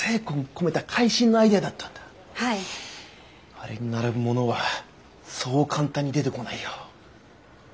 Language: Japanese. あれに並ぶものはそう簡単に出てこないよ。